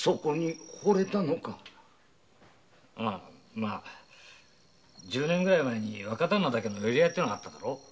まあ１０年前に若旦那だけの寄り合いがあっただろ。